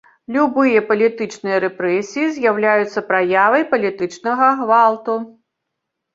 Любыя палітычныя рэпрэсіі з'яўляюцца праявай палітычнага гвалту.